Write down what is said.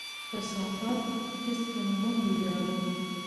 کثافات هيڅکله مه په ويالو،